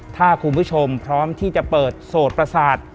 ถ้าคุณผู้ชมพร้อมที่จะเปิดโสดประสาท